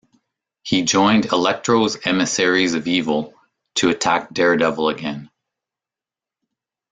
He joined Electro's Emissaries of Evil to attack Daredevil again.